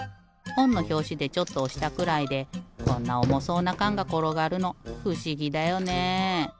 ほんのひょうしでちょっとおしたくらいでこんなおもそうなかんがころがるのふしぎだよね？